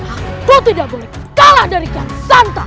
aku tidak boleh kalah dari kian santang